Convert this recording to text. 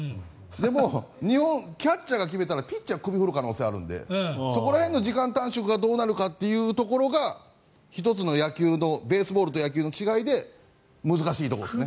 でも、キャッチャーが決めたらピッチャーは首を振る可能性がありますのでそこら辺の時間短縮がどうなるかというのが１つの野球とベースボールの違いで難しいところですね。